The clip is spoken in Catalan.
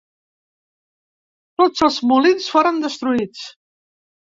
Tots els molins foren destruïts.